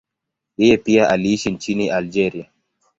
Yeye pia aliishi nchini Algeria.